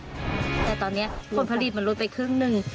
แต่ตอนนี้ผลผลิตมันลดไปครึ่งหนึ่ง